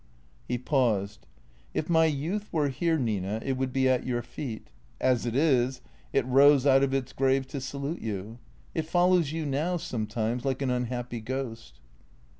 He paused. " If my youth were here, Nina, it would be at your feet. As it is, it rose out of its grave to salute you. It follows you now, sometimes, like an unhappy ghost."